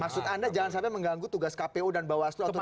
maksud anda jangan sampai mengganggu tugas kpu dan bawastu